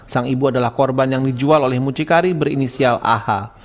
sang ibu adalah korban yang dijual oleh mucikari berinisial aha